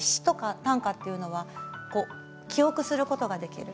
詩や短歌かというのは記憶することができる